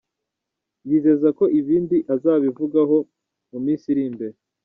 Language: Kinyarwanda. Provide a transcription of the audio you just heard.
Yizeza ko ibindi azabivugaho mu minsi iri imbere.